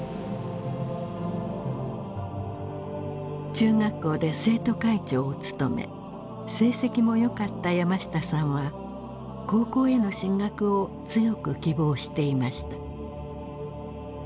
中学校で生徒会長を務め成績もよかった山下さんは高校への進学を強く希望していました。